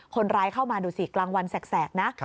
คนร้ายเข้ามาดูสิกลางวันแสกนะ